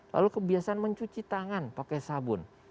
lalu kebiasaan mencuci tangan pakai sabun